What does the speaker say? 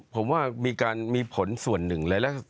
ผมว่ามีผลส่วนหนึ่งเลย